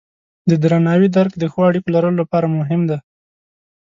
د درناوي درک د ښو اړیکو لرلو لپاره مهم دی.